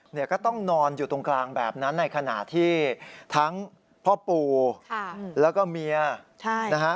เนี่ยก็ต้องนอนอยู่ตรงกลางแบบนั้นในขณะที่ทั้งพ่อปู่แล้วก็เมียนะฮะ